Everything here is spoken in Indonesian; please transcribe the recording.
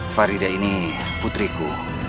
farida ini putriku